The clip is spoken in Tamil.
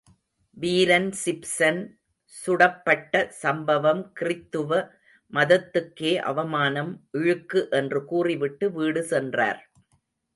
வீரன் சிப்சன் சுடப்பட்ட சம்பவம் கிறித்துவ மதத்துக்கே அவமானம், இழுக்கு என்று கூறிவிட்டு வீடு சென்றார்.